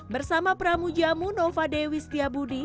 bersama pramu jamu nova dewi setiabudi